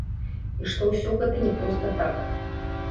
І што ўсё гэта не проста так.